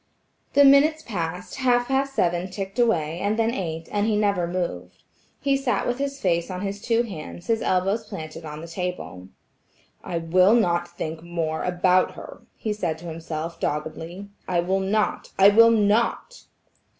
The minutes passed, half past seven ticked away, and then eight, and he never moved. He sat with his face on his two hands, his elbows planted on the table. "I will not think more about her," he said to himself, doggedly. "I will not–I will not."